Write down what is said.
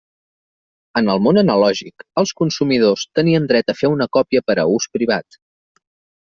En el món analògic, els consumidors teníem dret a fer una còpia per a ús privat.